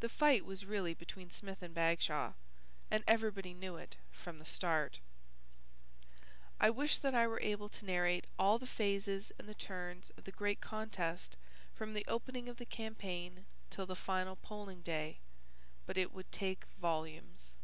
The fight was really between Smith and Bagshaw, and everybody knew it from the start. I wish that I were able to narrate all the phases and the turns of the great contest from the opening of the campaign till the final polling day. But it would take volumes.